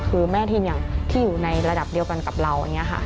คือแม่ทีมอย่างที่อยู่ในระดับเดียวกับเรา